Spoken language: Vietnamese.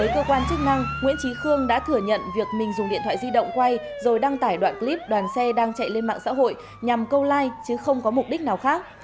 cơ quan chức năng nguyễn trí khương đã thừa nhận việc mình dùng điện thoại di động quay rồi đăng tải đoạn clip đoàn xe đang chạy lên mạng xã hội nhằm câu like chứ không có mục đích nào khác